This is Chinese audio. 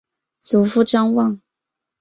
祖父张旺。